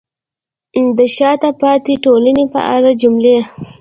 د شاته پاتې ټولنې په اړه جملې: